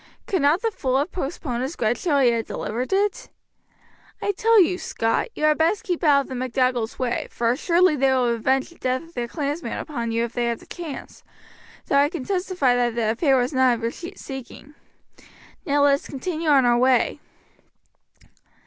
Could not the fool have postponed his grudge till he had delivered it? I tell you, Scot, you had best keep out of the MacDougalls' way, for assuredly they will revenge the death of their clansman upon you if they have the chance, though I can testify that the affair was none of your seeking. Now let us continue our way."